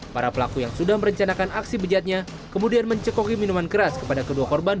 para pelaku yang sudah merencanakan aksi bejatnya kemudian mencekoki minuman keras kepada kedua korban